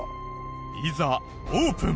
いざオープン！